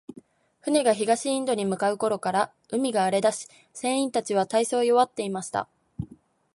船が東インドに向う頃から、海が荒れだし、船員たちは大そう弱っていました。